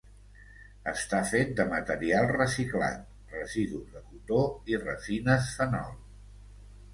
Està fet de material reciclat, residus de cotó i resines fenol.